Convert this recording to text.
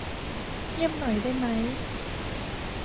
เงียบหน่อยได้มั้ย